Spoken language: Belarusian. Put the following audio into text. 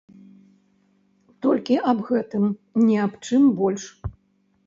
Толькі аб гэтым, ні аб чым больш.